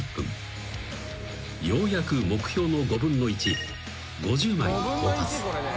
［ようやく目標の５分の１５０枚に到達］